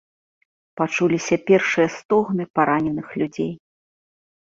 Пачуліся першыя стогны параненых людзей.